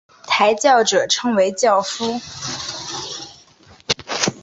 抬轿者称为轿夫。